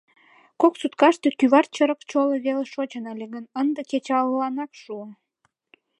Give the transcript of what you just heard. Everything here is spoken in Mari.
Кок суткаште кӱвар чырык чоло веле шочын ыле гын, ынде кечывалланак шуо.